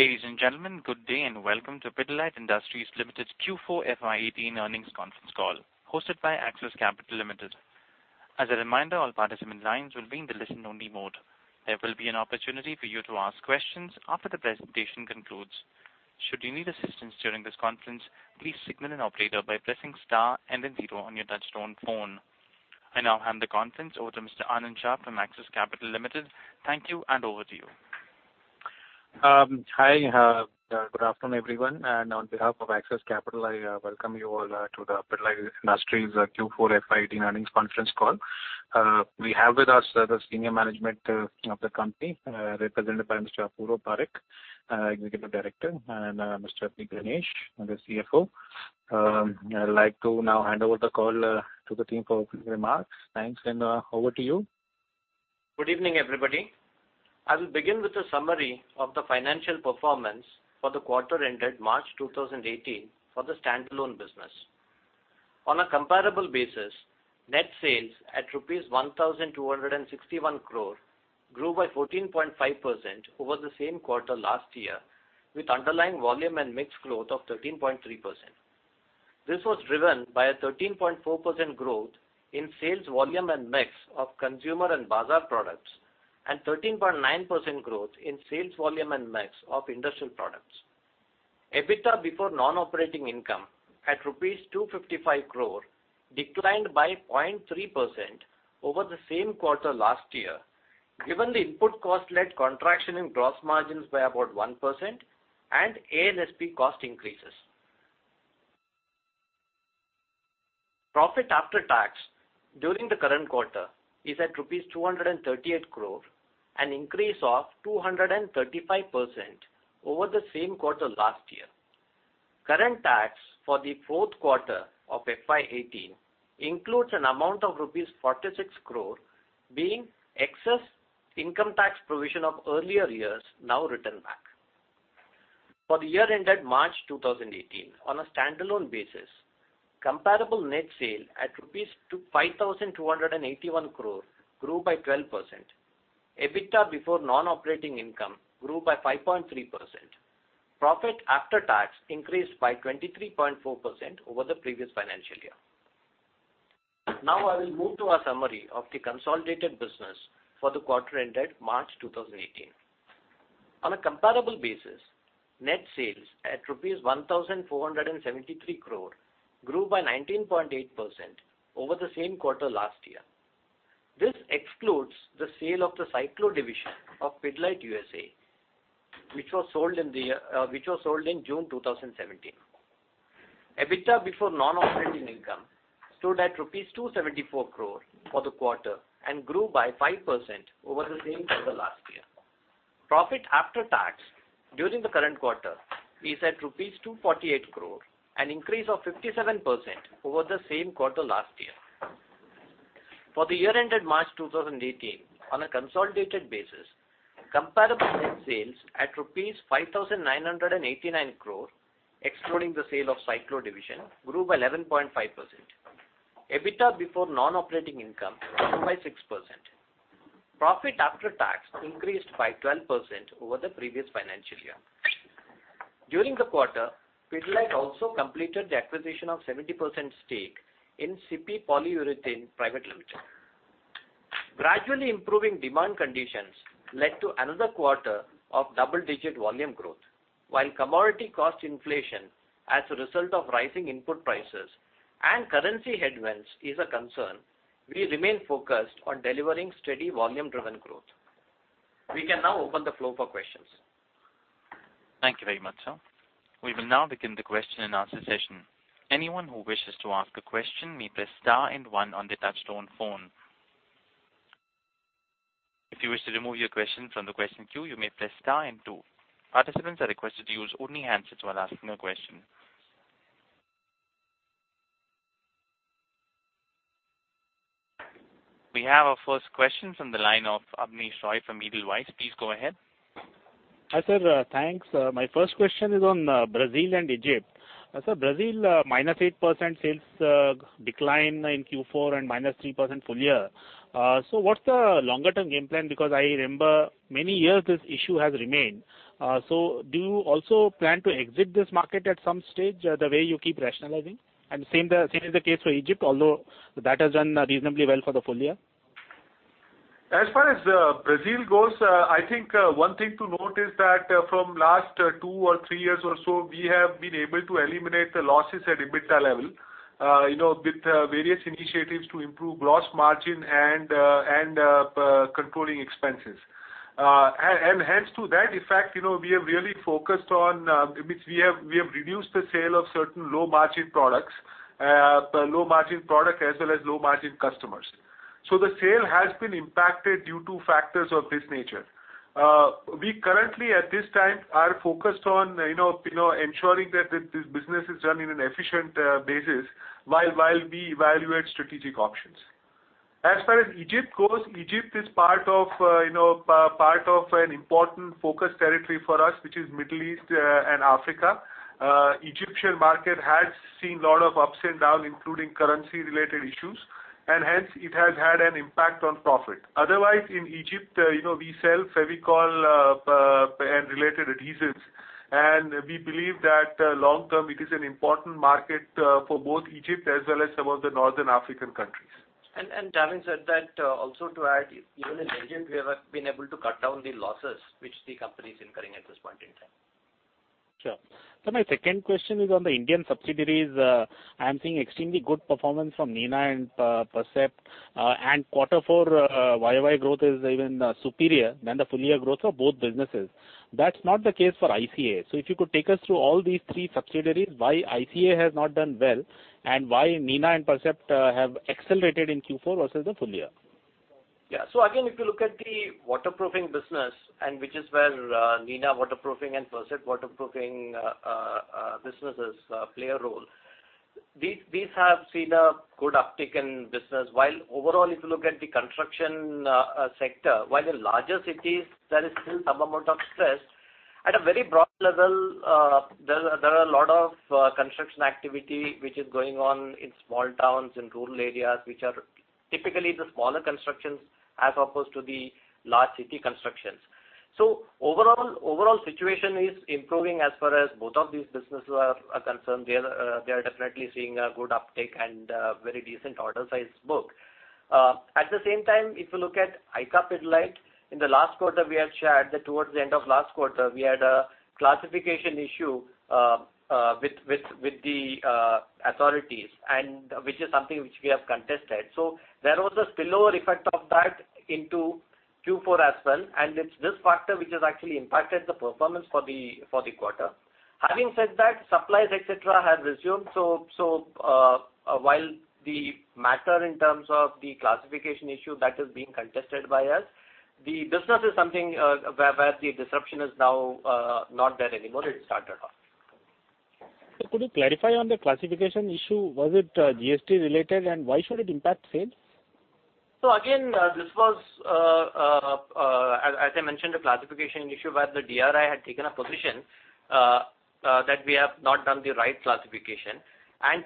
Ladies and gentlemen, good day, and welcome to Pidilite Industries Limited's Q4 FY 2018 earnings conference call, hosted by Axis Capital Limited. As a reminder, all participant lines will be in the listen-only mode. There will be an opportunity for you to ask questions after the presentation concludes. Should you need assistance during this conference, please signal an operator by pressing star and then zero on your touch-tone phone. I now hand the conference over to Mr. Anand Shah from Axis Capital Limited. Thank you, and over to you. Hi. Good afternoon, everyone. On behalf of Axis Capital, I welcome you all to the Pidilite Industries Q4 FY 2018 earnings conference call. We have with us the senior management of the company, represented by Mr. Apurva Parekh, Executive Director, and Mr. P. Ganesh, the CFO. I'd like to now hand over the call to the team for opening remarks. Thanks, and over to you. Good evening, everybody. I will begin with a summary of the financial performance for the quarter ended March 2018 for the standalone business. On a comparable basis, net sales at rupees 1,261 crore grew by 14.5% over the same quarter last year, with underlying volume and mix growth of 13.3%. This was driven by a 13.4% growth in sales volume and mix of consumer and bazaar products, and 13.9% growth in sales volume and mix of industrial products. EBITDA before non-operating income at rupees 255 crore declined by 0.3% over the same quarter last year, given the input cost-led contraction in gross margins by about 1% and ANSP cost increases. Profit after tax during the current quarter is at rupees 238 crore, an increase of 235% over the same quarter last year. Current tax for the fourth quarter of FY 2018 includes an amount of rupees 46 crore being excess income tax provision of earlier years, now written back. For the year ended March 2018, on a standalone basis, comparable net sale at 5,281 crore rupees grew by 12%. EBITDA before non-operating income grew by 5.3%. Profit after tax increased by 23.4% over the previous financial year. I will move to our summary of the consolidated business for the quarter ended March 2018. On a comparable basis, net sales at rupees 1,473 crore grew by 19.8% over the same quarter last year. This excludes the sale of the Cyclo division of Pidilite USA, which was sold in June 2017. EBITDA before non-operating income stood at rupees 274 crore for the quarter and grew by 5% over the same quarter last year. Profit after tax during the current quarter is at rupees 248 crore, an increase of 57% over the same quarter last year. For the year ended March 2018, on a consolidated basis, comparable net sales at 5,989 crore rupees, excluding the sale of Cyclo division, grew by 11.5%. EBITDA before non-operating income grew by 6%. Profit after tax increased by 12% over the previous financial year. During the quarter, Pidilite also completed the acquisition of 70% stake in Cipy Polyurethanes Private Limited. Gradually improving demand conditions led to another quarter of double-digit volume growth. While commodity cost inflation as a result of rising input prices and currency headwinds is a concern, we remain focused on delivering steady volume-driven growth. We can now open the floor for questions. Thank you very much, sir. We will now begin the question and answer session. Anyone who wishes to ask a question may press star 1 on their touch-tone phone. If you wish to remove your question from the question queue, you may press star 2. Participants are requested to use only handsets while asking a question. We have our first question from the line of Abneesh Roy from Edelweiss. Please go ahead. Hi, sir. Thanks. My first question is on Brazil and Egypt. Sir, Brazil, minus 8% sales decline in Q4 and minus 3% full year. What's the longer-term game plan? I remember many years this issue has remained. Do you also plan to exit this market at some stage, the way you keep rationalizing? Same is the case for Egypt, although that has done reasonably well for the full year. As far as Brazil goes, I think one thing to note is that from last two or three years or so, we have been able to eliminate the losses at EBITDA level, with various initiatives to improve gross margin and controlling expenses. Hence to that effect, we have really focused on We have reduced the sale of certain low-margin products as well as low-margin customers. The sale has been impacted due to factors of this nature. We currently, at this time, are focused on ensuring that this business is run in an efficient basis while we evaluate strategic options. As far as Egypt goes, Egypt is part of an important focus territory for us, which is Middle East and Africa. Egyptian market has seen a lot of ups and downs, including currency-related issues. Hence, it has had an impact on profit. In Egypt, we sell Fevicol and related adhesives, and we believe that long-term it is an important market for both Egypt as well as some of the Northern African countries. Dharin said that also to add, even in Egypt, we have been able to cut down the losses which the company's incurring at this point in time. Sure. Sir, my second question is on the Indian subsidiaries. I'm seeing extremely good performance from Nina and Percept. Quarter four year-over-year growth is even superior than the full year growth of both businesses. That's not the case for ICA. If you could take us through all these three subsidiaries, why ICA has not done well and why Nina and Percept have accelerated in Q4 versus the full year? Yeah. Again, if you look at the waterproofing business and which is where Nina waterproofing and Percept waterproofing businesses play a role. These have seen a good uptick in business. Overall, if you look at the construction sector, while the larger cities, there is still some amount of stress. At a very broad level, there are a lot of construction activity which is going on in small towns, in rural areas, which are typically the smaller constructions as opposed to the large city constructions. Overall situation is improving as far as both of these businesses are concerned. They are definitely seeing a good uptick and very decent order size book. At the same time, if you look at ICA Pidilite, in the last quarter we had shared that towards the end of last quarter, we had a classification issue with the authorities, which is something which we have contested. There was a spillover effect of that into Q4 as well, and it's this factor which has actually impacted the performance for the quarter. Having said that, supplies, et cetera, have resumed. While the matter in terms of the classification issue that is being contested by us, the business is something where the disruption is now not there anymore. It started off. Sir, could you clarify on the classification issue? Was it GST related and why should it impact sales? Again, this was, as I mentioned, a classification issue where the DRI had taken a position that we have not done the right classification.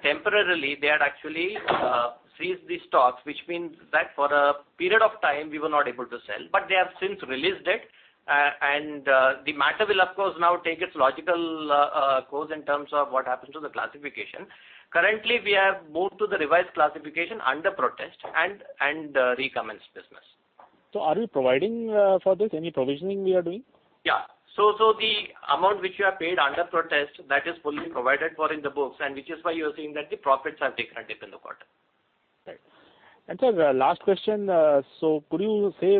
Temporarily, they had actually seized the stocks, which means that for a period of time, we were not able to sell, but they have since released it. The matter will, of course, now take its logical course in terms of what happens to the classification. Currently, we have moved to the revised classification under protest and recommenced business. Are we providing for this? Any provisioning we are doing? The amount which we have paid under protest, that is fully provided for in the books, and which is why you're seeing that the profits have taken a dip in the quarter. Sir, last question. Could you say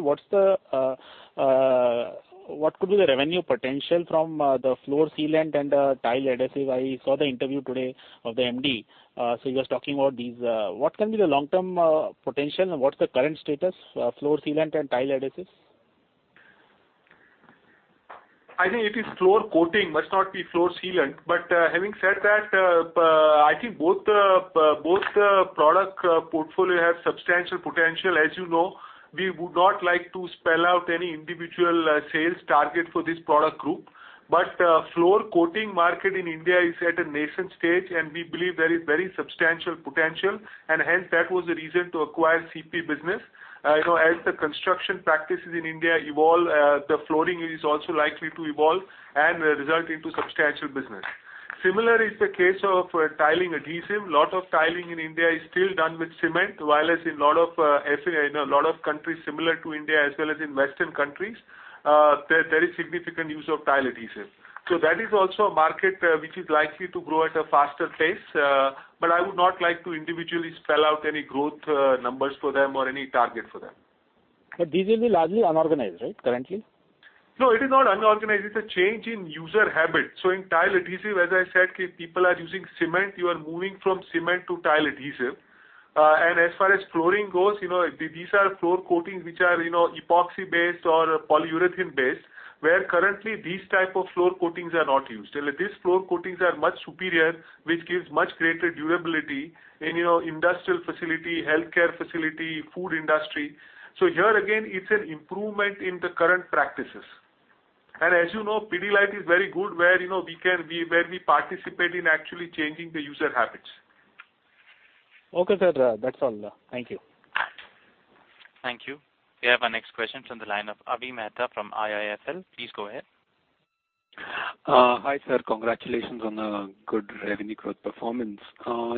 what could be the revenue potential from the floor sealant and tile adhesive? I saw the interview today of the MD, he was talking about these. What can be the long-term potential and what's the current status of floor sealant and tile adhesives? I think it is floor coating, must not be floor sealant. Having said that, I think both product portfolio have substantial potential. As you know, we would not like to spell out any individual sales target for this product group. Floor coating market in India is at a nascent stage, and we believe there is very substantial potential, and hence that was the reason to acquire CP business. As the construction practices in India evolve, the flooring is also likely to evolve and result into substantial business. Similar is the case of tiling adhesive. Lot of tiling in India is still done with cement. While as in a lot of countries similar to India as well as in Western countries, there is significant use of tile adhesive. That is also a market which is likely to grow at a faster pace, I would not like to individually spell out any growth numbers for them or any target for them. These will be largely unorganized, right? Currently? It is not unorganized. It's a change in user habit. In tile adhesive, as I said, if people are using cement, you are moving from cement to tile adhesive. As far as flooring goes, these are floor coatings which are epoxy-based or polyurethane-based, where currently these type of floor coatings are not used. These floor coatings are much superior, which gives much greater durability in industrial facility, healthcare facility, food industry. Here again, it's an improvement in the current practices. As you know, Pidilite is very good where we participate in actually changing the user habits. Okay, sir. That's all. Thank you. Thank you. We have our next question from the line of Avi Mehta from IIFL. Please go ahead. Hi, sir. Congratulations on a good revenue growth performance. There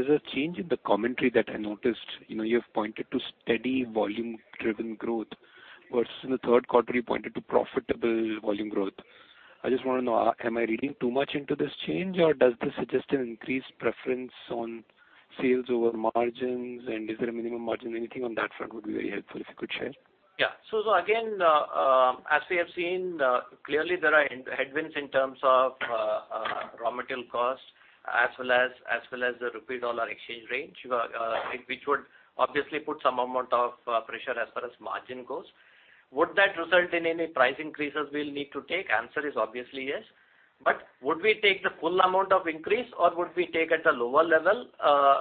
is a change in the commentary that I noticed. You've pointed to steady volume-driven growth versus in the third quarter, you pointed to profitable volume growth. I just want to know, am I reading too much into this change, or does this suggest an increased preference on sales over margins, and is there a minimum margin? Anything on that front would be very helpful, if you could share. Again, as we have seen, clearly there are headwinds in terms of raw material cost as well as the rupee dollar exchange range, which would obviously put some amount of pressure as far as margin goes. Would that result in any price increases we'll need to take? Answer is obviously yes. Would we take the full amount of increase or would we take at a lower level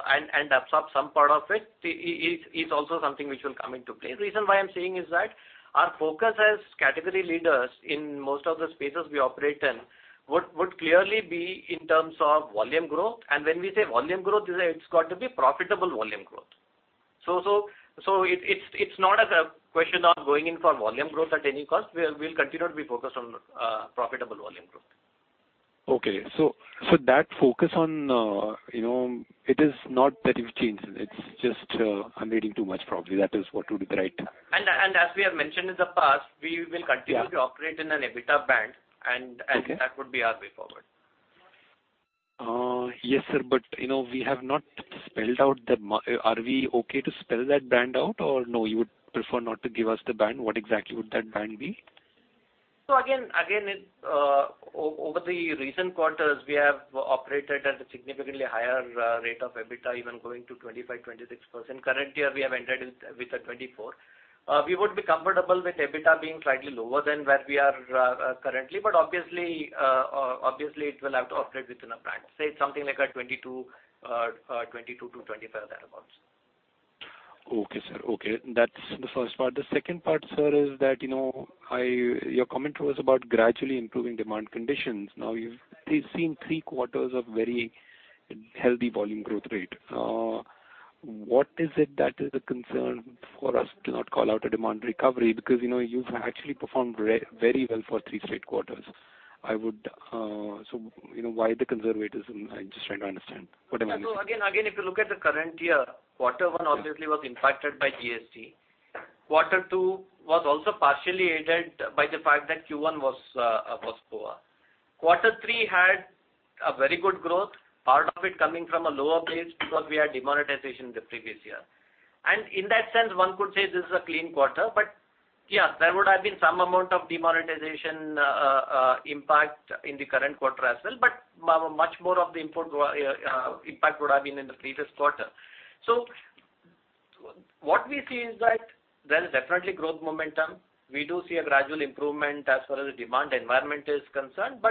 and absorb some part of it is also something which will come into play. The reason why I'm saying is that our focus as category leaders in most of the spaces we operate in would clearly be in terms of volume growth. When we say volume growth, it's got to be profitable volume growth. It's not as a question of going in for volume growth at any cost. We'll continue to be focused on profitable volume growth. It is not that you've changed, it's just I'm reading too much, probably. As we have mentioned in the past, we will continue. Yeah to operate in an EBITDA band. Okay that would be our way forward. Yes, sir, we have not spelled out the. Are we okay to spell that band out or no, you would prefer not to give us the band? What exactly would that band be? Again, over the recent quarters, we have operated at a significantly higher rate of EBITDA, even going to 25%, 26%. Currently, we have entered with a 24. We would be comfortable with EBITDA being slightly lower than where we are currently, but obviously, it will have to operate within a band, say something like a 22%-25%, thereabouts. Okay, sir. Okay. That's the first part. The second part, sir, is that, your comment was about gradually improving demand conditions. Now you have seen 3 quarters of very healthy volume growth rate. What is it that is a concern for us to not call out a demand recovery because you have actually performed very well for 3 straight quarters. Why the conservatism? I am just trying to understand what I mean. Again, if you look at the current year, quarter 1 obviously was impacted by GST. Quarter 2 was also partially aided by the fact that Q1 was poor. Quarter 3 had a very good growth, part of it coming from a lower base because we had demonetization the previous year. In that sense, one could say this is a clean quarter. Yeah, there would have been some amount of demonetization impact in the current quarter as well. Much more of the impact would have been in the previous quarter. What we see is that there is definitely growth momentum. We do see a gradual improvement as far as the demand environment is concerned.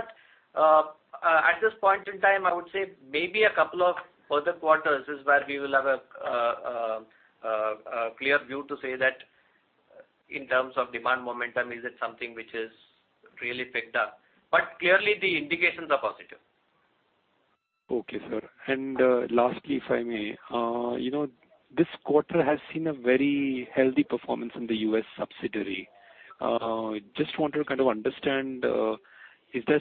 At this point in time, I would say maybe a couple of further quarters is where we will have a clear view to say that in terms of demand momentum, is it something which has really picked up. Clearly, the indications are positive. Okay, sir. Lastly, if I may. This quarter has seen a very healthy performance in the U.S. subsidiary. Just want to kind of understand, is there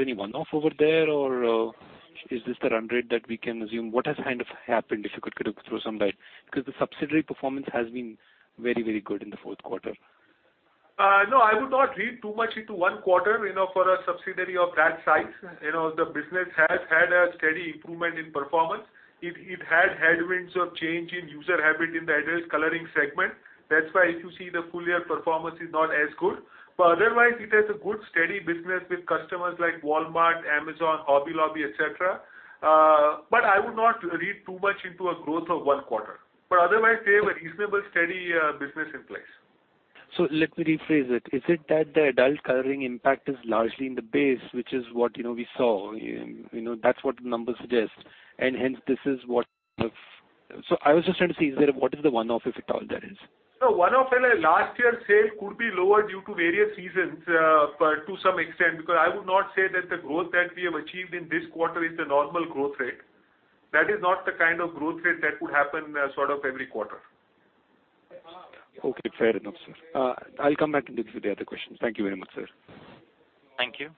any one-off over there, or is this the run rate that we can assume? What has happened, if you could throw some light? Because the subsidiary performance has been very good in the fourth quarter. I would not read too much into one quarter for a subsidiary of that size. The business has had a steady improvement in performance. It had headwinds of change in user habit in the adult coloring segment. That's why if you see the full-year performance is not as good. Otherwise, it has a good, steady business with customers like Walmart, Amazon, Hobby Lobby, et cetera. I would not read too much into a growth of one quarter. Otherwise, we have a reasonable, steady business in place. Let me rephrase it. Is it that the adult coloring impact is largely in the base, which is what we saw? That's what the numbers suggest. I was just trying to see, what is the one-off, if at all there is? No one-off. Last year's sale could be lower due to various reasons, to some extent, because I would not say that the growth that we have achieved in this quarter is the normal growth rate. That is not the kind of growth rate that would happen sort of every quarter. Fair enough, sir. I'll come back with the other questions. Thank you very much, sir. Thank you.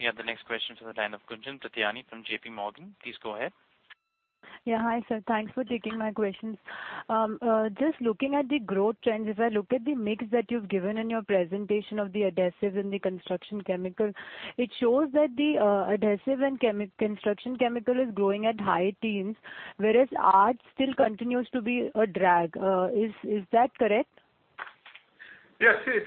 We have the next question from the line of Gunjan Prithyani from J.P. Morgan. Please go ahead. Yeah. Hi, sir. Thanks for taking my questions. Just looking at the growth trends, if I look at the mix that you've given in your presentation of the adhesives and the construction chemical, it shows that the adhesive and construction chemical is growing at high teens, whereas Arts still continues to be a drag. Is that correct? Yes. See,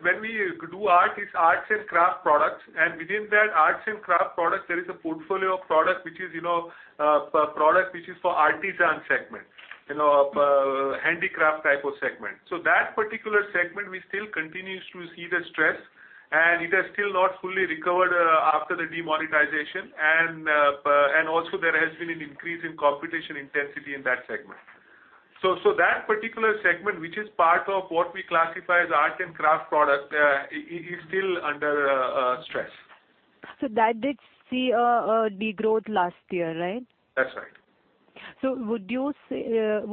when we do Art, it's arts and craft products, and within that arts and craft products, there is a portfolio of products which is for artisan segment. Handicraft type of segment. That particular segment, we still continue to see the stress, and it has still not fully recovered after the demonetization. Also there has been an increase in competition intensity in that segment. That particular segment, which is part of what we classify as art and craft product, is still under stress. That did see a degrowth last year, right? That is right. Would you say that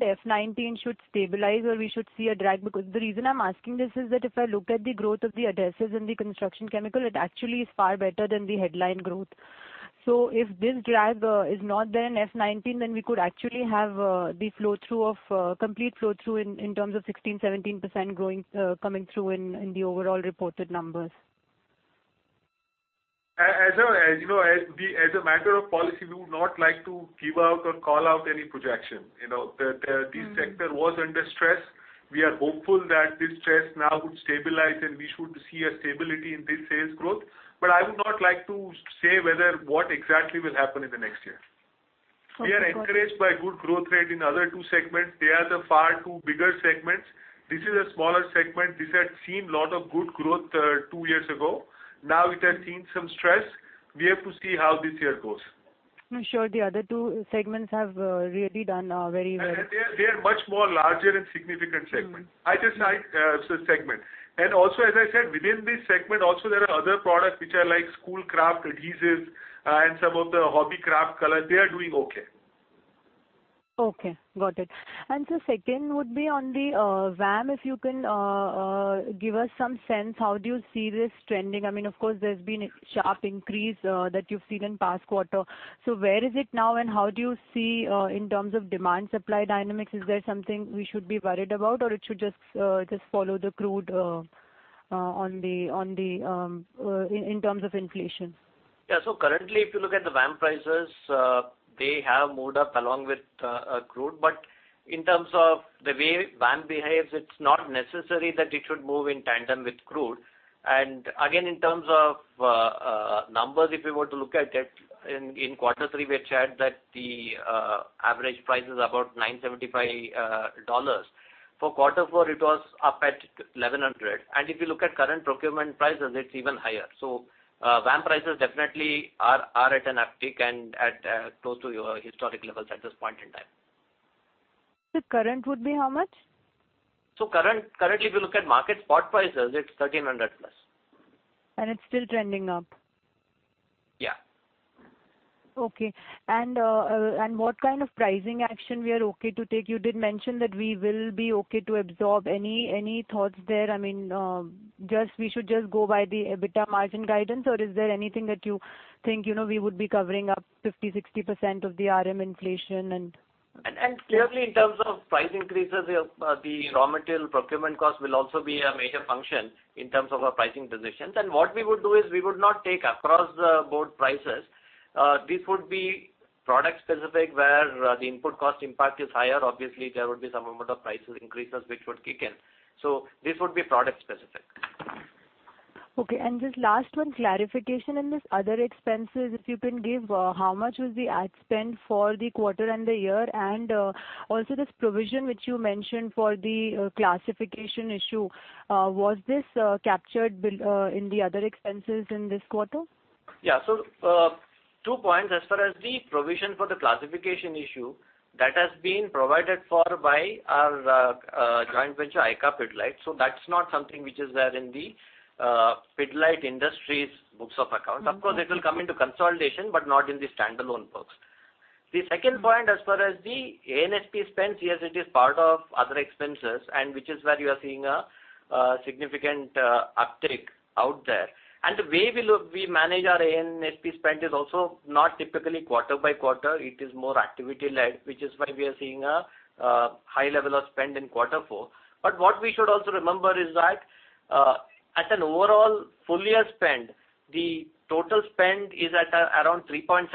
FY 2019 should stabilize, or we should see a drag? The reason I am asking this is that if I look at the growth of the adhesives and the construction chemical, it actually is far better than the headline growth. If this drag is not there in FY 2019, then we could actually have the complete flow-through in terms of 16%, 17% coming through in the overall reported numbers. As a matter of policy, we would not like to give out or call out any projection. The sector was under stress. We are hopeful that this stress now would stabilize, and we should see a stability in this sales growth. I would not like to say whether what exactly will happen in the next year. Okay. We are encouraged by good growth rate in other two segments. They are the far two bigger segments. This is a smaller segment. This had seen lot of good growth two years ago. Now it has seen some stress. We have to see how this year goes. I'm sure the other two segments have really done very well. They are much more larger and significant segments. Also, as I said, within this segment also there are other products which are like school craft adhesives and some of the hobby craft color. They are doing okay. Okay. Got it. Sir, second would be on the VAM, if you can give us some sense, how do you see this trending? Of course, there's been a sharp increase that you've seen in past quarter. Where is it now, and how do you see in terms of demand supply dynamics? Is there something we should be worried about or it should just follow the crude in terms of inflation? Currently, if you look at the VAM prices, they have moved up along with crude, but in terms of the way VAM behaves, it's not necessary that it should move in tandem with crude. Again, in terms of numbers, if we were to look at it, in quarter three, we had shared that the average price is about $975. For quarter four, it was up at $1,100. If you look at current procurement prices, it's even higher. VAM prices definitely are at an uptick and at close to historic levels at this point in time. Sir, current would be how much? Currently, if you look at market spot prices, it's $1,300 plus. It's still trending up? Yeah. Okay. What kind of pricing action we are okay to take? You did mention that we will be okay to absorb. Any thoughts there? We should just go by the EBITDA margin guidance, or is there anything that you think we would be covering up 50%, 60% of the RM inflation? Clearly, in terms of price increases, the raw material procurement cost will also be a major function in terms of our pricing decisions. What we would do is we would not take across the board prices. This would be product specific where the input cost impact is higher. Obviously, there would be some amount of prices increases which would kick in. This would be product specific. Okay. Just last one clarification in this other expenses, if you can give how much was the ad spend for the quarter and the year? Also this provision which you mentioned for the classification issue, was this captured in the other expenses in this quarter? Yeah. Two points as far as the provision for the classification issue, that has been provided for by our joint venture, ICA Pidilite. That's not something which is there in the Pidilite Industries books of accounts. Of course, it will come into consolidation, but not in the standalone books. The second point as far as the ANSP spend, yes, it is part of other expenses and which is where you are seeing a significant uptick out there. The way we manage our ANSP spend is also not typically quarter by quarter. It is more activity led, which is why we are seeing a high level of spend in quarter four. What we should also remember is that, as an overall full year spend, the total spend is at around 3.7%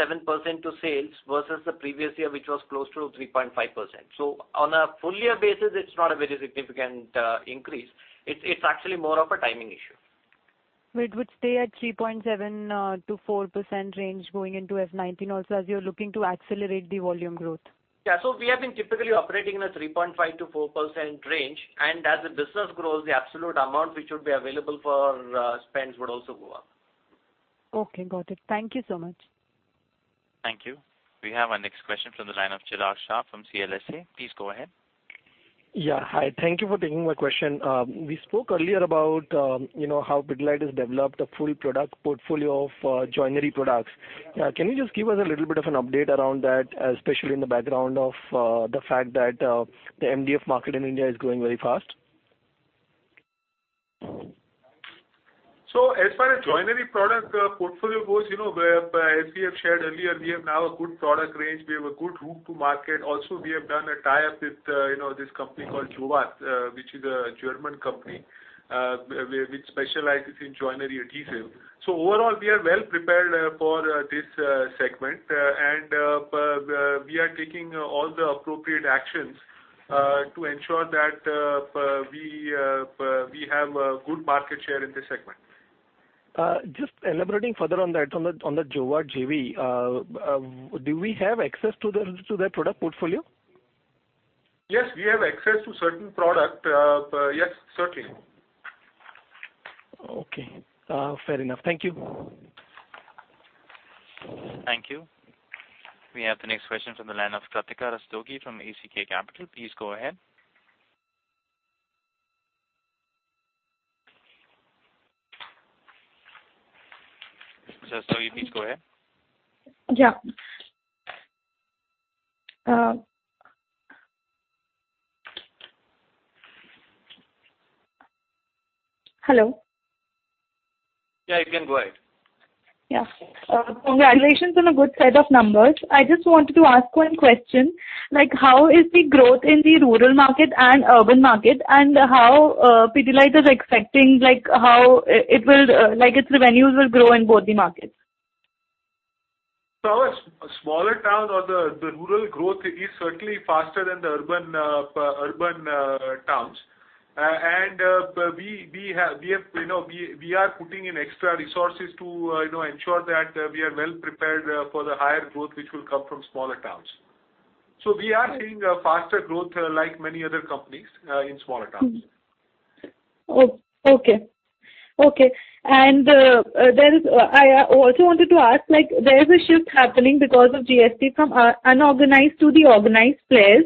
to sales versus the previous year, which was close to 3.5%. On a full year basis, it's not a very significant increase. It's actually more of a timing issue. It would stay at 3.7% to 4% range going into FY19 also, as you are looking to accelerate the volume growth? Yeah. We have been typically operating in a 3.5% to 4% range, and as the business grows, the absolute amount which would be available for spends would also go up. Okay, got it. Thank you so much. Thank you. We have our next question from the line of Chirag Shah from CLSA. Please go ahead. Yeah, hi. Thank you for taking my question. We spoke earlier about how Pidilite has developed a full product portfolio of joinery products. Can you just give us a little bit of an update around that, especially in the background of the fact that the MDF market in India is growing very fast? As far as joinery product portfolio goes, as we have shared earlier, we have now a good product range. We have a good route to market. Also we have done a tie-up with this company called Jowat, which is a German company, which specializes in joinery adhesive. Overall, we are well prepared for this segment, and we are taking all the appropriate actions to ensure that we have a good market share in this segment. Just elaborating further on that, on the Jowat JV, do we have access to their product portfolio? Yes, we have access to certain product. Yes, certainly. Okay. Fair enough. Thank you. Thank you. We have the next question from the line of Kartik Rastogi from ASK Capital. Please go ahead. Rastogi, please go ahead. Yeah. Hello? Yeah, you can go ahead. Yeah. Congratulations on a good set of numbers. I just wanted to ask one question. How is the growth in the rural market and urban market and how Pidilite is expecting its revenues will grow in both the markets? A smaller town or the rural growth is certainly faster than the urban towns. We are putting in extra resources to ensure that we are well prepared for the higher growth which will come from smaller towns. We are having a faster growth like many other companies in smaller towns. Okay. I also wanted to ask, there is a shift happening because of GST from unorganized to the organized players.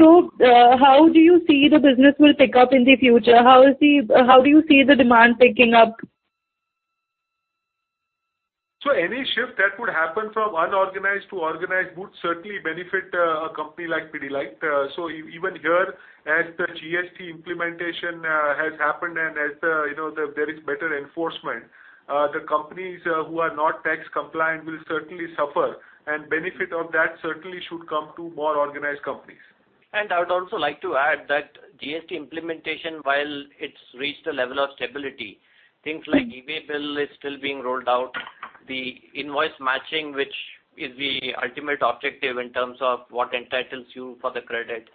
How do you see the business will pick up in the future? How do you see the demand picking up? Any shift that would happen from unorganized to organized would certainly benefit a company like Pidilite. Even here, as the GST implementation has happened and as there is better enforcement, the companies who are not tax compliant will certainly suffer, and benefit of that certainly should come to more organized companies. I would also like to add that GST implementation, while it's reached a level of stability, things like e-way bill is still being rolled out. The invoice matching, which is the ultimate objective in terms of what entitles you for the credit,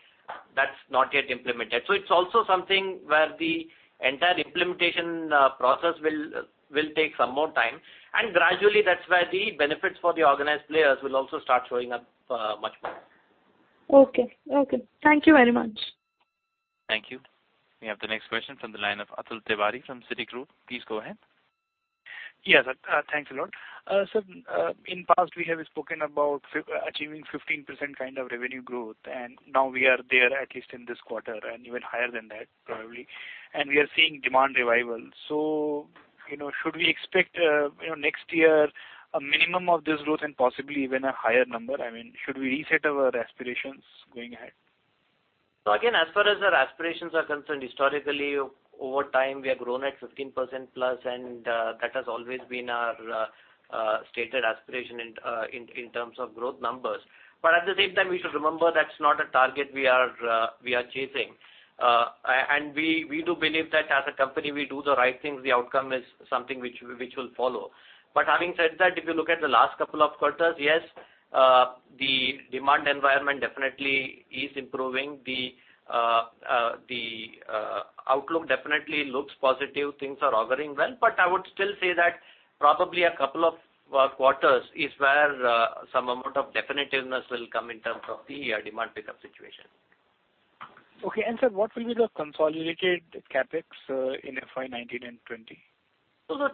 that's not yet implemented. It's also something where the entire implementation process will take some more time, and gradually that's where the benefits for the organized players will also start showing up much more. Okay. Thank you very much. Thank you. We have the next question from the line of Atul Tiwari from Citigroup. Please go ahead. Yes, sir. Thanks a lot. Sir, in past, we have spoken about achieving 15% kind of revenue growth, and now we are there, at least in this quarter, and even higher than that probably. We are seeing demand revival. Should we expect next year a minimum of this growth and possibly even a higher number? I mean, should we reset our aspirations going ahead? Again, as far as our aspirations are concerned, historically, over time, we have grown at 15%+, and that has always been our stated aspiration in terms of growth numbers. At the same time, we should remember that's not a target we are chasing. We do believe that as a company, we do the right things, the outcome is something which will follow. Having said that, if you look at the last couple of quarters, yes, the demand environment definitely is improving. The outlook definitely looks positive. Things are auguring well. I would still say that probably a couple of quarters is where some amount of definitiveness will come in terms of the demand pickup situation. Okay. Sir, what will be the consolidated CapEx in FY 2019 and 2020?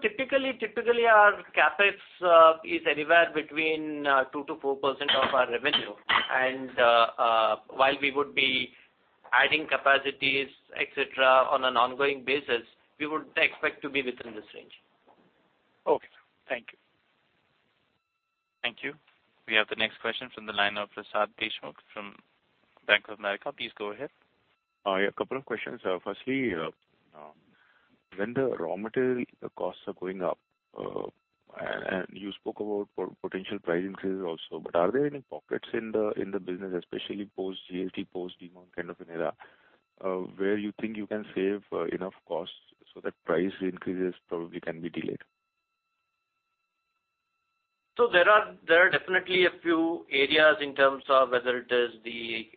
Typically, our CapEx is anywhere between 2%-4% of our revenue, and while we would be adding capacities, et cetera, on an ongoing basis, we would expect to be within this range. Okay. Thank you. Thank you. We have the next question from the line of Prasad Deshmukh from Bank of America. Please go ahead. I have a couple of questions. Firstly, when the raw material costs are going up, and you spoke about potential price increases also, but are there any pockets in the business, especially post GST, post-demonetization era, where you think you can save enough costs so that price increases probably can be delayed? There are definitely a few areas in terms of whether it is the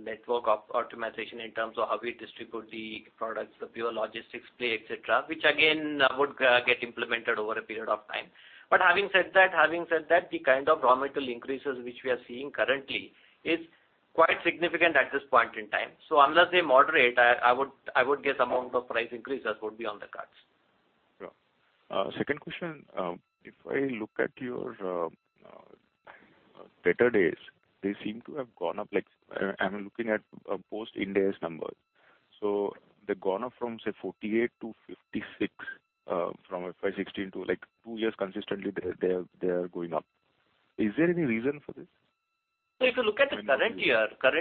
network optimization in terms of how we distribute the products, the pure logistics play, et cetera, which again, would get implemented over a period of time. But having said that, the kind of raw material increases which we are seeing currently is quite significant at this point in time. Unless they moderate, I would guess amount of price increases would be on the cards. Second question. If I look at your debtor days, they seem to have gone up. I'm looking at post-Ind AS numbers. They've gone up from, say, 48-56 from FY 2016 to like two years consistently they are going up. Is there any reason for this? If you look at the current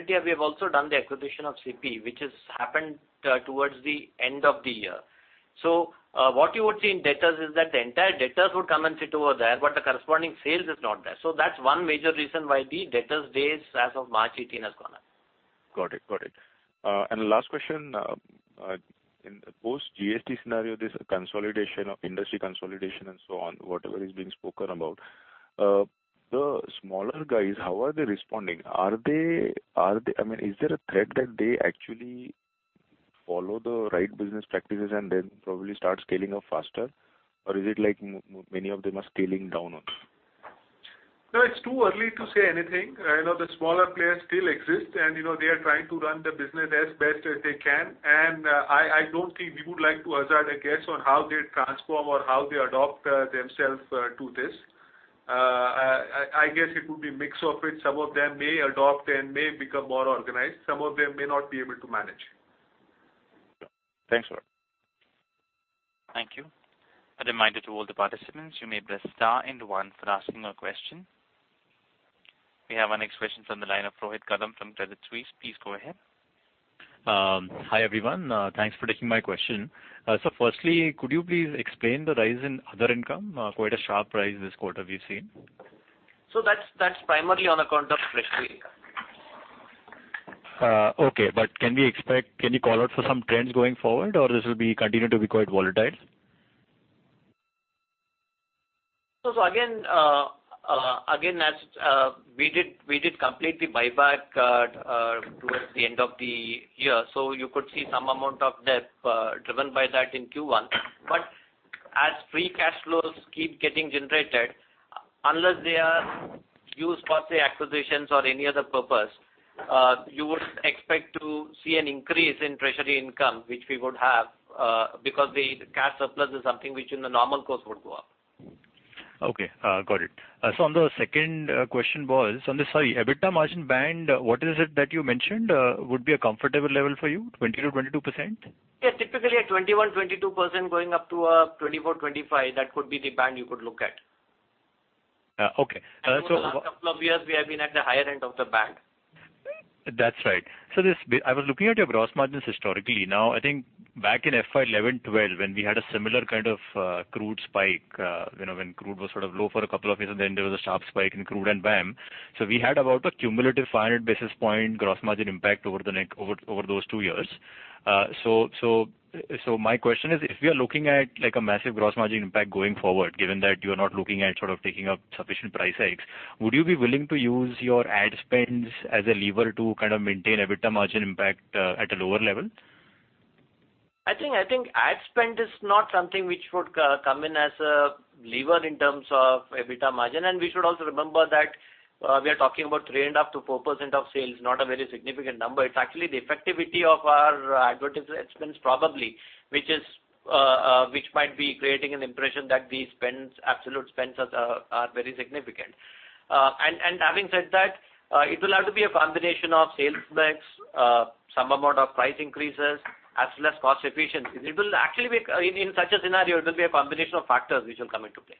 year, we have also done the acquisition of CP, which has happened towards the end of the year. What you would see in debtors is that the entire debtors would come and sit over there, but the corresponding sales is not there. That's one major reason why the debtors days as of March 2018 has gone up. Got it. Last question. In the post-GST scenario, this consolidation of industry consolidation and so on, whatever is being spoken about. The smaller guys, how are they responding? Is there a threat that they actually follow the right business practices and then probably start scaling up faster? Or is it like many of them are scaling down also? No, it's too early to say anything. The smaller players still exist, and they are trying to run the business as best as they can. I don't think we would like to hazard a guess on how they transform or how they adopt themselves to this. I guess it would be a mix of it. Some of them may adopt and may become more organized. Some of them may not be able to manage. Thanks a lot. Thank you. A reminder to all the participants, you may press star and one for asking a question. We have our next question from the line of Rohit Kadam from Credit Suisse. Please go ahead. Hi, everyone. Thanks for taking my question. Sir, firstly, could you please explain the rise in other income? Quite a sharp rise this quarter we've seen. That's primarily on account of treasury income. Okay. Can you call out for some trends going forward, or this will continue to be quite volatile? Again, we did complete the buyback towards the end of the year, so you could see some amount of debt driven by that in Q1. As free cash flows keep getting generated, unless they are used for, say, acquisitions or any other purpose, you would expect to see an increase in treasury income, which we would have, because the cash surplus is something which in the normal course would go up. Okay. Got it. On the second question was on the EBITDA margin band, what is it that you mentioned would be a comfortable level for you? 20%-22%? Yes. Typically, a 21%-22% going up to a 24%-25%, that could be the band you could look at. Okay. Over the last couple of years, we have been at the higher end of the band. That's right. I was looking at your gross margins historically. I think back in FY 2011/2012, when we had a similar kind of crude spike, when crude was sort of low for a couple of years, then there was a sharp spike in crude and VAM. We had about a cumulative 500 basis point gross margin impact over those two years. My question is, if we are looking at a massive gross margin impact going forward, given that you are not looking at sort of taking up sufficient price hikes, would you be willing to use your ad spends as a lever to kind of maintain EBITDA margin impact at a lower level? I think ad spend is not something which would come in as a lever in terms of EBITDA margin, and we should also remember that we are talking about 3% up to 4% of sales, not a very significant number. It's actually the effectivity of our advertisement expense probably, which might be creating an impression that these absolute spends are very significant. Having said that, it will have to be a combination of sales mix, some amount of price increases, as well as cost efficiency. In such a scenario, it will be a combination of factors which will come into play.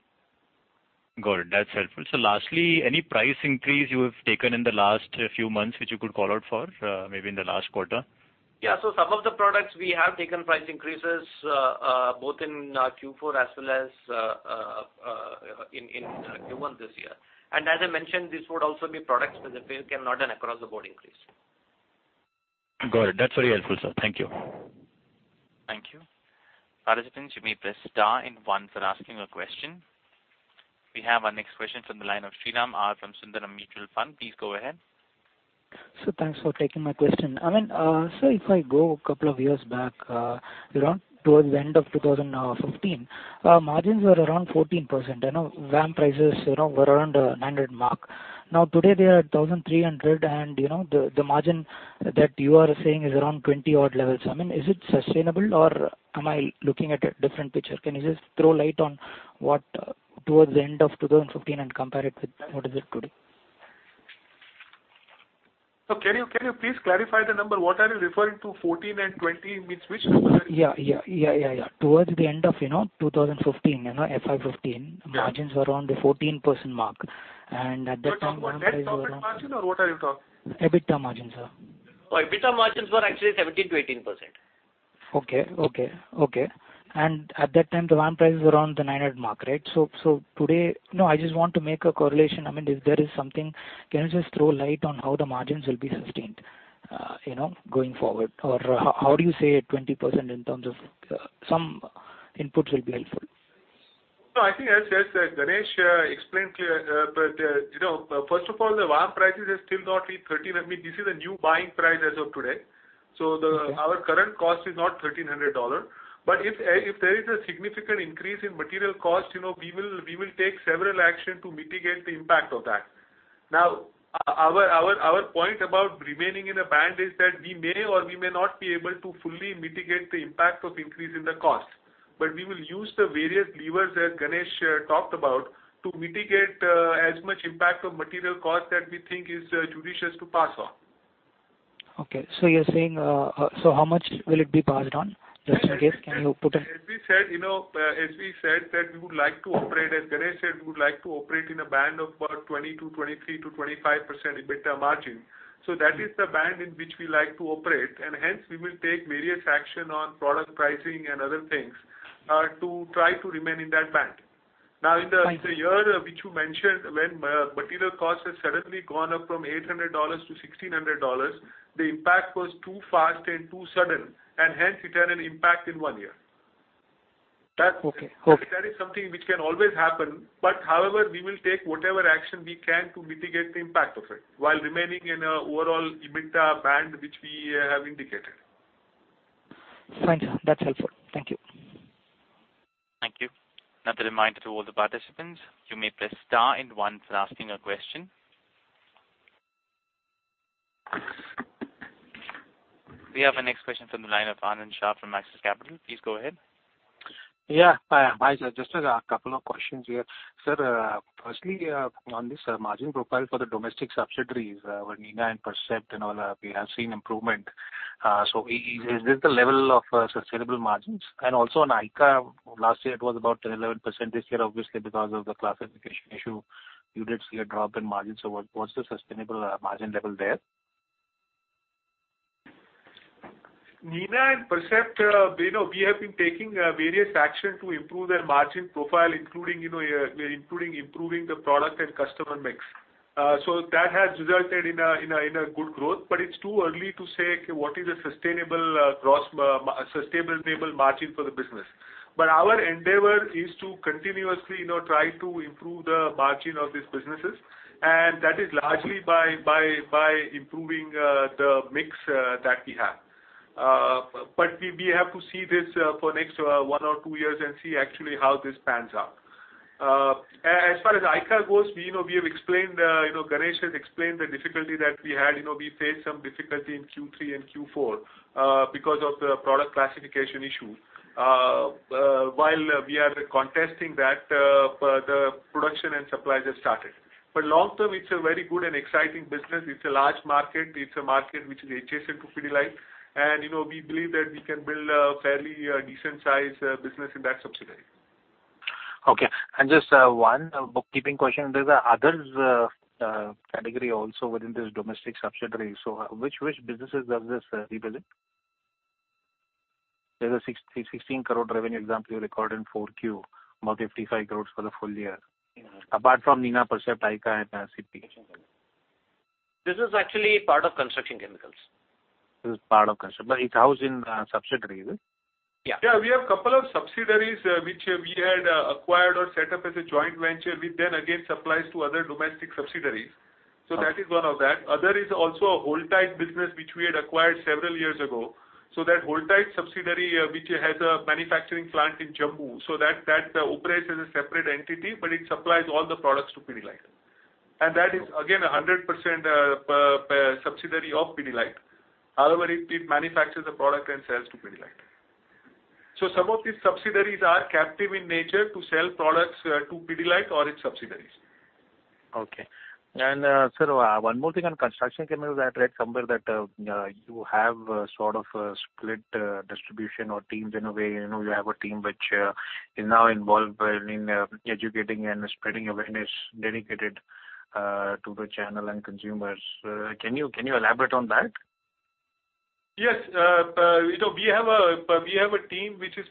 Got it. That's helpful. Lastly, any price increase you have taken in the last few months which you could call out for, maybe in the last quarter? Yeah. Some of the products we have taken price increases, both in Q4 as well as in Q1 this year. As I mentioned, this would also be products where we cannot do an across the board increase. Got it. That's very helpful, sir. Thank you. Thank you. Participants, you may press star and one for asking a question. We have our next question from the line of Sriram R from Sundaram Mutual Fund. Please go ahead. Sir, thanks for taking my question. Sir, if I go a couple of years back, around towards the end of 2015, margins were around 14%. VAM prices were around $900 mark. Today they are $1,300, and the margin that you are saying is around 20% odd levels. Is it sustainable or am I looking at a different picture? Can you just throw light on what towards the end of 2015 and compare it with what is it today? Sir, can you please clarify the number? What are you referring to 14 and 20 means which number? Yeah. Towards the end of 2015, FY 2015, margins were around the 14% mark. Net profit margin or what are you talking? EBITDA margin, sir. EBITDA margins were actually 17%-18%. Okay. At that time, the VAM price is around the $900 mark, right? Today, I just want to make a correlation. If there is something, can you just throw light on how the margins will be sustained going forward? How do you say 20% in terms of some inputs will be helpful. No, I think as P. Ganesh explained clear. First of all, the VAM prices are still not really $1,300. This is a new buying price as of today. Our current cost is not $1,300. If there is a significant increase in material cost, we will take several action to mitigate the impact of that. Now, our point about remaining in a band is that we may or we may not be able to fully mitigate the impact of increase in the cost. We will use the various levers that P. Ganesh talked about to mitigate as much impact of material cost that we think is judicious to pass on. Okay. How much will it be passed on? Just in case. As we said that we would like to operate, as Ganesh said, we would like to operate in a band of about 20 to 23 to 25% EBITDA margin. That is the band in which we like to operate, and hence we will take various action on product pricing and other things to try to remain in that band. In the year which you mentioned, when material cost has suddenly gone up from $800 to $1,600, the impact was too fast and too sudden, and hence it had an impact in one year. Okay. That is something which can always happen, however, we will take whatever action we can to mitigate the impact of it while remaining in a overall EBITDA band which we have indicated. Fine, sir. That's helpful. Thank you. Thank you. Another reminder to all the participants, you may press star and one for asking a question. We have our next question from the line of Anand Shah from Axis Capital. Please go ahead. Hi, sir. Just a couple of questions here. Sir, firstly, on this margin profile for the domestic subsidiaries, where Nina and Percept and all, we have seen improvement. Is this the level of sustainable margins? Also on ICA, last year it was about 11%. This year, obviously, because of the classification issue, you did see a drop in margin. What's the sustainable margin level there? Nina and Percept, we have been taking various action to improve their margin profile, including improving the product and customer mix. That has resulted in a good growth. It's too early to say what is a sustainable margin for the business. Our endeavor is to continuously try to improve the margin of these businesses, and that is largely by improving the mix that we have. We have to see this for next one or two years and see actually how this pans out. As far as ICA goes, Ganesh has explained the difficulty that we had. We faced some difficulty in Q3 and Q4 because of the product classification issue. While we are contesting that, the production and supplies have started. For long term, it's a very good and exciting business. It's a large market. It's a market which is adjacent to Pidilite, we believe that we can build a fairly decent size business in that subsidiary. Okay. Just one bookkeeping question. There's the others category also within this domestic subsidiary. Which businesses does this represent? There's a 16 crore revenue example you record in 4Q, about 55 crore for the full year. Apart from Nina Percept, ICA, and CP. This is actually part of construction chemicals. This is part of construction, but it's housed in a subsidiary, right? Yeah. Yeah. We have couple of subsidiaries which we had acquired or set up as a joint venture, which again supplies to other domestic subsidiaries. That is one of that. Other is also a Holdtite business which we had acquired several years ago. That Holdtite subsidiary, which has a manufacturing plant in Jammu. That operates as a separate entity, but it supplies all the products to Pidilite. That is, again, 100% subsidiary of Pidilite. However, it manufactures the product and sells to Pidilite. Some of these subsidiaries are captive in nature to sell products to Pidilite or its subsidiaries. Okay. Sir, one more thing on construction chemicals. I read somewhere that you have sort of split distribution or teams in a way. You have a team which is now involved in educating and spreading awareness dedicated to the channel and consumers. Can you elaborate on that? Yes. We have a team which is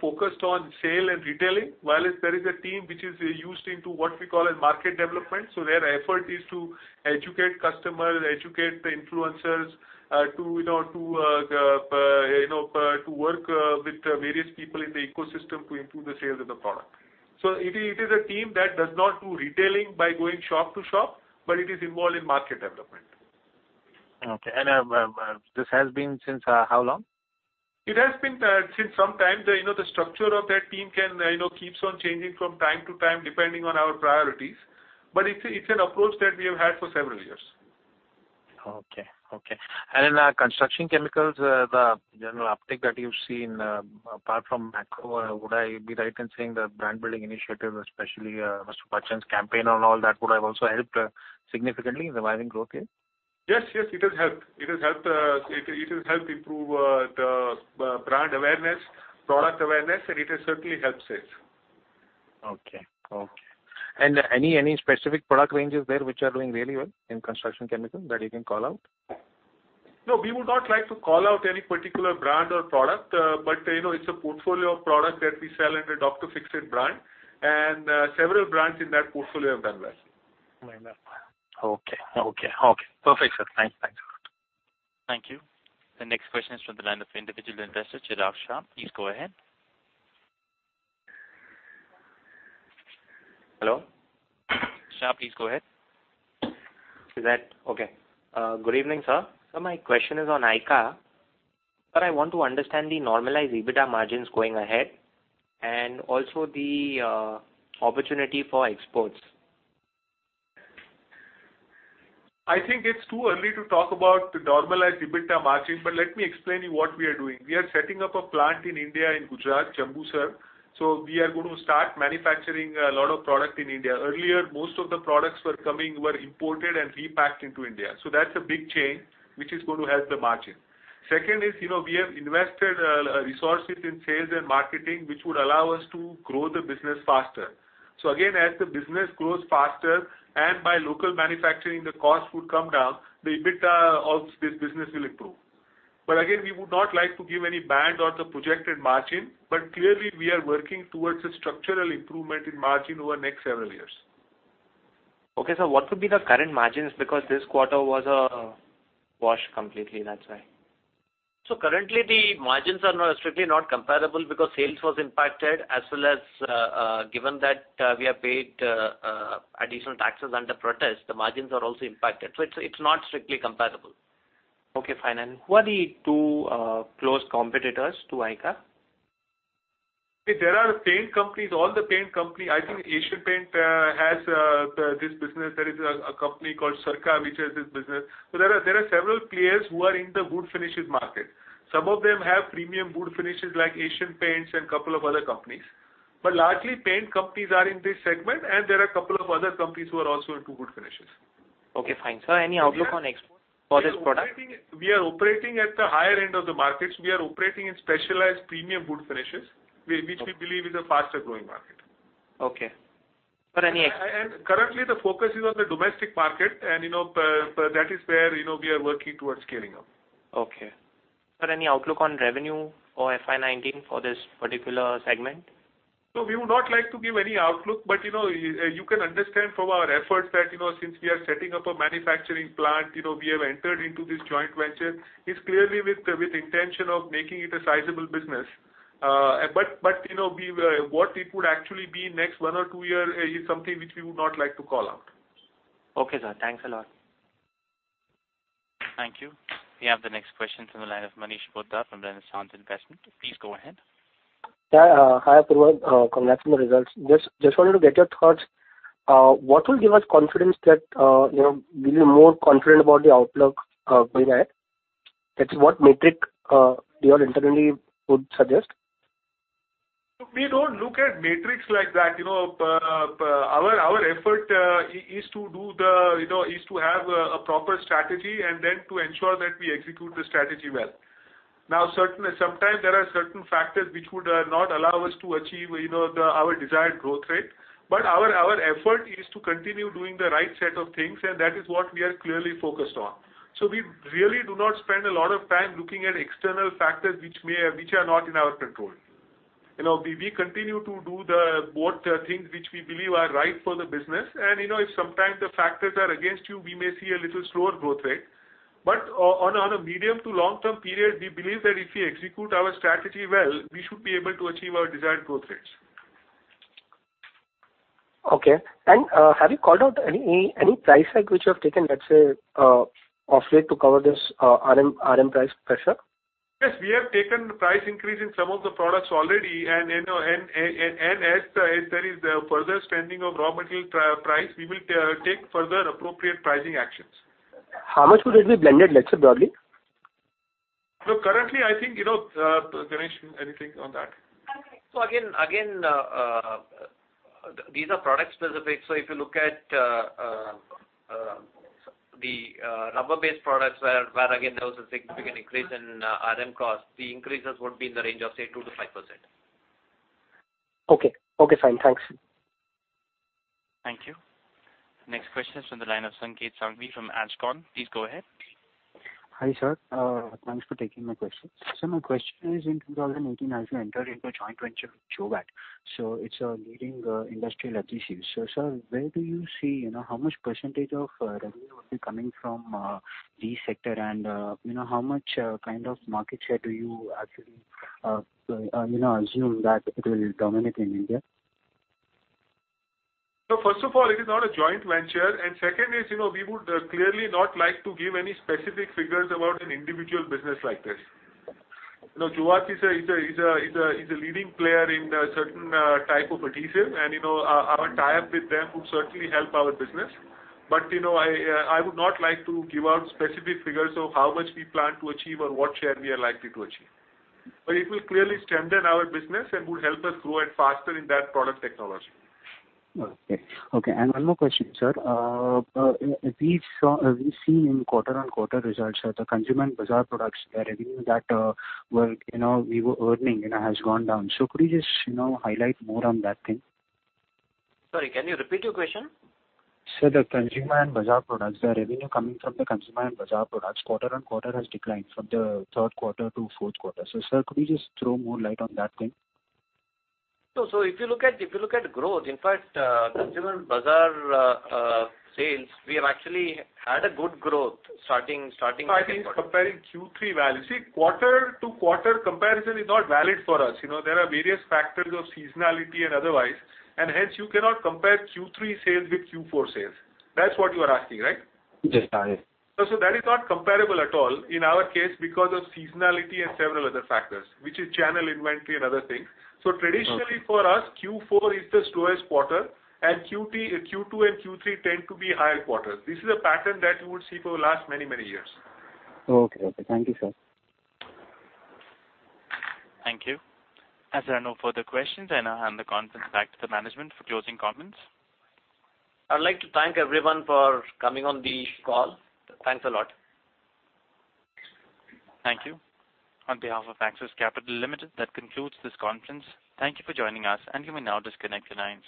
focused on sale and retailing, while there is a team which is used into what we call market development. Their effort is to educate customer, educate the influencers to work with various people in the ecosystem to improve the sales of the product. It is a team that does not do retailing by going shop to shop, but it is involved in market development. Okay. This has been since how long? It has been since some time. The structure of that team keeps on changing from time to time, depending on our priorities. It's an approach that we have had for several years. Okay. In construction chemicals, the general uptick that you've seen apart from macro, would I be right in saying the brand-building initiative, especially Mr. Bachchan's campaign and all that, would have also helped significantly in driving growth here? Yes, it has helped. It has helped improve the brand awareness, product awareness, and it has certainly helped sales. Okay. Any specific product ranges there which are doing really well in construction chemicals that you can call out? No, we would not like to call out any particular brand or product. It's a portfolio of products that we sell under Dr. Fixit brand, and several brands in that portfolio have done well. Okay. Perfect, sir. Thanks a lot. Thank you. The next question is from the line of individual investor, Chirag Shah. Please go ahead. Hello? Shah, please go ahead. Is that Okay. Good evening, sir. Sir, my question is on ICA. Sir, I want to understand the normalized EBITDA margins going ahead, and also the opportunity for exports. I think it's too early to talk about the normalized EBITDA margin, but let me explain you what we are doing. We are setting up a plant in India, in Gujarat, Khambhat. We are going to start manufacturing a lot of product in India. Earlier, most of the products were imported and repacked into India. That's a big change, which is going to help the margin. Second is, we have invested resources in sales and marketing, which would allow us to grow the business faster. Again, as the business grows faster and by local manufacturing, the cost would come down. The EBITDA of this business will improve. Again, we would not like to give any band on the projected margin, but clearly we are working towards a structural improvement in margin over next several years. Okay. Sir, what would be the current margins? Because this quarter was a wash completely, that's why. Currently, the margins are strictly not comparable because sales was impacted as well as given that we have paid additional taxes under protest, the margins are also impacted. It is not strictly comparable. Okay, fine. Who are the two close competitors to ICA? There are paint companies, all the paint company. I think Asian Paints has this business. There is a company called Sirca which has this business. There are several players who are in the wood finishes market. Some of them have premium wood finishes like Asian Paints and couple of other companies. Largely paint companies are in this segment and there are a couple of other companies who are also into wood finishes. Okay, fine. Sir, any outlook on export for this product? We are operating at the higher end of the markets. We are operating in specialized premium wood finishes, which we believe is a faster-growing market. Okay. Any- Currently the focus is on the domestic market, and that is where we are working towards scaling up. Okay. Sir, any outlook on revenue for FY 2019 for this particular segment? No, we would not like to give any outlook, but you can understand from our efforts that since we are setting up a manufacturing plant, we have entered into this joint venture, it's clearly with intention of making it a sizable business. What it would actually be next one or two years is something which we would not like to call out. Okay, sir. Thanks a lot. Thank you. We have the next question from the line of Manish Poddar from Renaissance Investment. Please go ahead. Hi, Apurva. Congrats on the results. Just wanted to get your thoughts. What will give us confidence that we'll be more confident about the outlook going ahead? That's what metric you all internally would suggest? We don't look at metrics like that. Our effort is to have a proper strategy and then to ensure that we execute the strategy well. Sometimes there are certain factors which would not allow us to achieve our desired growth rate. Our effort is to continue doing the right set of things, and that is what we are clearly focused on. We really do not spend a lot of time looking at external factors which are not in our control. We continue to do both things which we believe are right for the business. If sometimes the factors are against you, we may see a little slower growth rate. On a medium to long-term period, we believe that if we execute our strategy well, we should be able to achieve our desired growth rates. Okay. Have you called out any price hike which you have taken, let's say, off late to cover this RM price pressure? Yes, we have taken the price increase in some of the products already, as there is further strengthening of raw material price, we will take further appropriate pricing actions. How much would it be blended, let's say, broadly? Currently, I think, Ganesh, anything on that? Again, these are product-specific. If you look at the rubber-based products where, again, there was a significant increase in RM cost, the increases would be in the range of, say, 2%-5%. Okay. Okay, fine. Thanks. Thank you. Next question is from the line of Sanket Sanghavi from Ascon. Please go ahead. Hi, sir. Thanks for taking my question. My question is, in 2018, as you entered into a joint venture with Jowat, it's a leading industrial adhesives. Sir, where do you see how much % of revenue will be coming from this sector and how much kind of market share do you actually assume that it will dominate in India? First of all, it is not a joint venture, and second is, we would clearly not like to give any specific figures about an individual business like this. Jowat is a leading player in certain type of adhesives, and our tie-up with them would certainly help our business. I would not like to give out specific figures of how much we plan to achieve or what share we are likely to achieve. It will clearly strengthen our business and would help us grow it faster in that product technology. Okay. One more question, sir. We've seen in quarter-on-quarter results, sir, the consumer and bazaar products, the revenue that we were earning has gone down. Could you just highlight more on that thing? Sorry, can you repeat your question? Sir, the consumer and bazaar products, the revenue coming from the consumer and bazaar products quarter-over-quarter has declined from the third quarter to fourth quarter. Sir, could you just throw more light on that thing? If you look at growth, in fact, consumer bazaar sales, we have actually had a good growth. I think comparing Q3 values. See, quarter-over-quarter comparison is not valid for us. There are various factors of seasonality and otherwise, and hence you cannot compare Q3 sales with Q4 sales. That's what you are asking, right? Yes, got it. That is not comparable at all in our case because of seasonality and several other factors, which is channel inventory and other things. Traditionally for us, Q4 is the slowest quarter, and Q2 and Q3 tend to be higher quarters. This is a pattern that you would see for the last many, many years. Okay. Thank you, sir. Thank you. As there are no further questions, I hand the conference back to the management for closing comments. I'd like to thank everyone for coming on the call. Thanks a lot. Thank you. On behalf of Axis Capital Limited, that concludes this conference. Thank you for joining us, and you may now disconnect your lines.